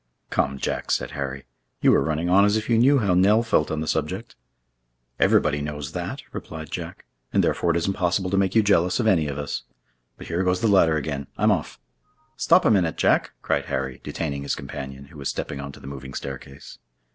"Come, Jack," said Harry, "you are running on as if you knew how Nell felt on the subject." "Everybody knows that," replied Jack, "and therefore it is impossible to make you jealous of any of us. But here goes the ladder again—I'm off!" "Stop a minute, Jack!" cried Harry, detaining his companion, who was stepping onto the moving staircase.